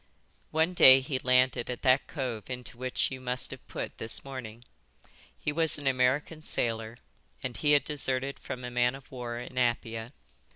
"One day he landed at that cove into which you must have put this morning. He was an American sailor, and he had deserted from a man of war in Apia.